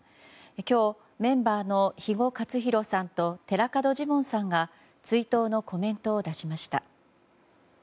今日、メンバーの肥後克広さんと寺門ジモンさんが追悼のコメントを出しました。